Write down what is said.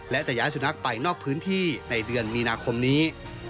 และจะย้ายสุนัขไปนอกพื้นที่ในเดือนมีนาคมนี้